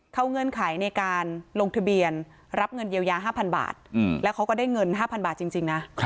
เขาเงื่อนไขในการลงทะเบียนรับเงินเยียวยาห้าพันบาทแล้วเขาก็ได้เงินห้าพันบาทจริงจริงนะ